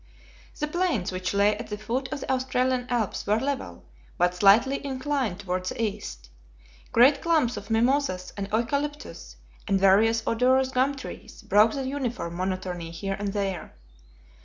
The plains which lay at the foot of the Australian Alps were level, but slightly inclined toward the east. Great clumps of mimosas and eucalyptus, and various odorous gum trees, broke the uniform monotony here and there.